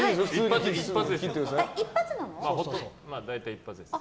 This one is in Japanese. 一発ですよ。